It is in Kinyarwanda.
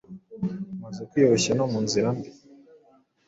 Umaze kwiyoroshya, no munzira mbi